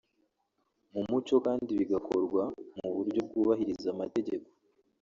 mu mucyo kandi bigakorwa mu buryo bwubahiriza amategeko